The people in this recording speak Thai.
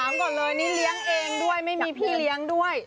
ก่อนเลยนี่เลี้ยงเองด้วยไม่มีพี่เลี้ยงด้วย